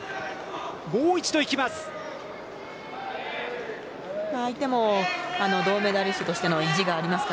もう一度行きます。